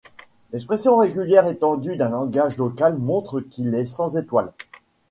L'expression régulière étendue d'un langage local montre qu'il est sans étoile.